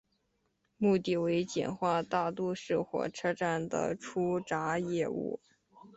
目的为简化大都市火车站的出闸业务。